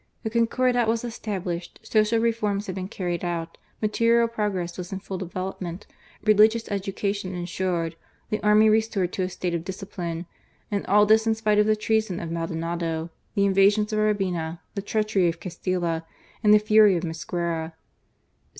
The Concordat was established, social reforms had been carried out, material progress was in full development, religious education ensured, the army restored to a state of discipline, and all this in spite of the treason of Maldonado, the invasions of Urbina, the treachery of Castilla, and the fury of Mosquera.